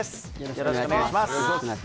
よろしくお願いします。